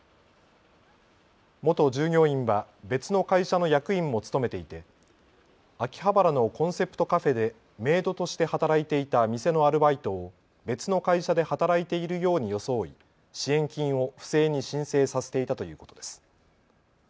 元従業員は別の会社の役員も務めていて秋葉原のコンセプトカフェでメイドとして働いていた店のアルバイトを別の会社で働いているように装い支援金を不正に申請させていたということです。